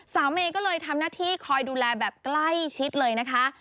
เมย์ก็เลยทำหน้าที่คอยดูแลแบบใกล้ชิดเลยนะคะ